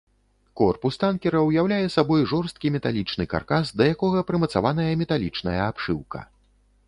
Корпус танкера ўяўляе сабой жорсткі металічны каркас, да якога прымацаваная металічная абшыўка.